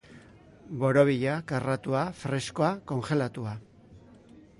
Borobila, karratua, freskoa, kongelatua.